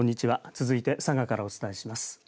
続いて佐賀からお伝えします。